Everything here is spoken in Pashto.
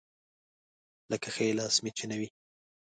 لکه ښی لاس مې چې نه وي.